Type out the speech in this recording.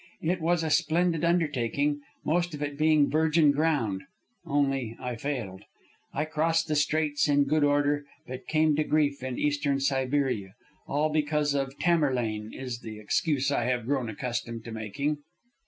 It was a splendid undertaking, most of it being virgin ground, only I failed. I crossed the Straits in good order, but came to grief in Eastern Siberia all because of Tamerlane is the excuse I have grown accustomed to making."